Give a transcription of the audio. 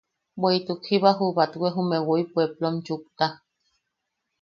Bweʼituk jiba ju batwe jume woi puepplom chukta.